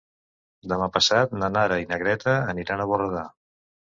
Demà passat na Nara i na Greta aniran a Borredà.